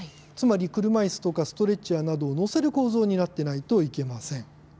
つまり、車いすやストレッチャーなどを載せる構造になっていないといけません。